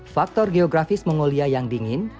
faktor geografis mongolia yang dingin